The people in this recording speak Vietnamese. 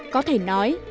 có thể nói